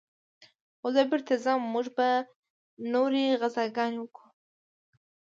خو زه بېرته ځم موږ به نورې غزاګانې وكو.